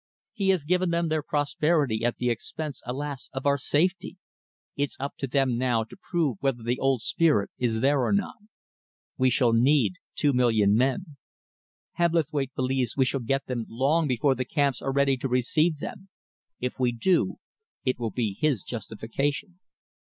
He has given them their prosperity at the expense, alas! of our safety. It's up to them now to prove whether the old spirit is there or not. We shall need two million men. Hebblethwaite believes we shall get them long before the camps are ready to receive them. If we do, it will be his justification."